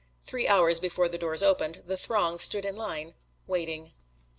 Three hours before the doors opened, the throng stood in line, waiting.